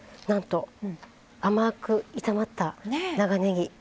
なんと甘く炒まった長ねぎ。